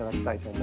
はい。